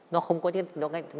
nó không có cái riêng của việt nam